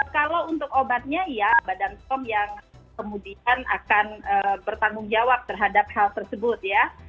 kalau untuk obatnya ya badan pom yang kemudian akan bertanggung jawab terhadap hal tersebut ya